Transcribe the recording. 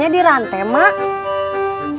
mas rana pengen ng percepatan